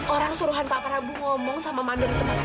orang suruhan pak prabu ngomong sama mandiri teman saya sendiri